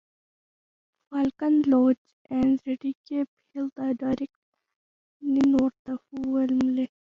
Falcon Lodge and Reddicap Heath are directly north of Walmley.